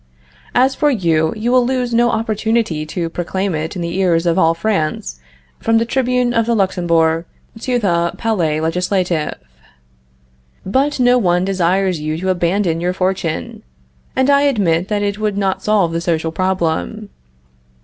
As for you, you will lose no opportunity to proclaim it in the ears of all France from the tribune of the Luxembourg and the Palais Legislatif. But no one desires you to abandon your fortune, and I admit that it would not solve the social problem.